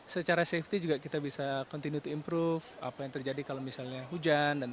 secara safety juga kita bisa continuity improve apa yang terjadi kalau misalnya hujan dan